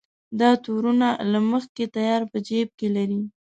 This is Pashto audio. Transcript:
دا تورونه له مخکې تیار په جېب کې لري.